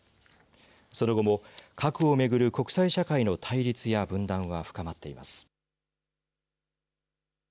その後も、核を巡る国際社会の対立や分断は深まっています。